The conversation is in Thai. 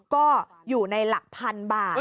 ก็อยู่ในหลัก๑๐๐๐บาท